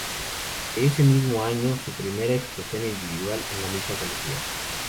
De ese mismo año es su primera exposición individual, en la misma galería.